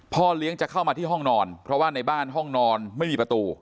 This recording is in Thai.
เลี้ยงจะเข้ามาที่ห้องนอนเพราะว่าในบ้านห้องนอนไม่มีประตู